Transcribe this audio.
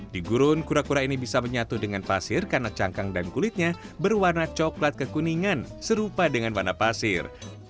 di gurun kura kura ini bisa menyatu dengan pasir karena cangkang dan kulitnya berwarna coklat kekuningan serupa dengan warna pasir